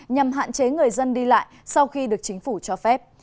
nhằm hạn chế người dân đi lại sau khi được chính phủ cho phép